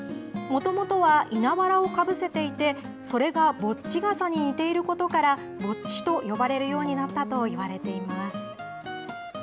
もともとは稲わらをかぶせていて、それがぼっち笠に似ていることから、ぼっちと呼ばれるようになったといわれています。